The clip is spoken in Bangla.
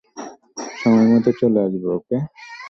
সময়মতো চলে আসব, ওকে?